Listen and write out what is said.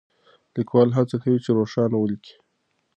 ليکوال هڅه کوي چې روښانه وليکي.